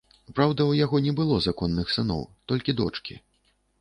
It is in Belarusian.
Праўда, у яго не было законных сыноў, толькі дочкі.